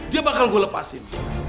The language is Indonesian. dia bakal gue lepasin